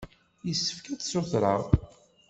Yessefk ad ssutreɣ.